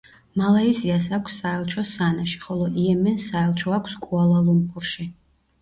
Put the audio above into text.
მალაიზიას აქვს საელჩო სანაში, ხოლო იემენს საელჩო აქვს კუალა-ლუმპურში.